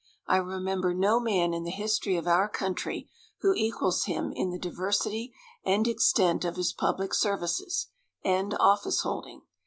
I remember no man in the history of our country who equals him in the diversity and extent of his public services and office holding.